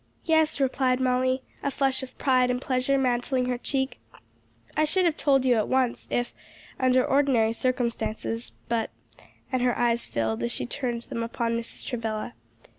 "Yes," replied Molly, a flush of pride and pleasure mantling her cheek. "I should have told you at once, if under ordinary circumstances; but " and her eyes filled as she turned them upon Mrs. Travilla.